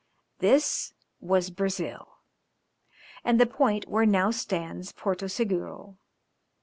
This was Brazil, and the point where now stands Porto Seguro.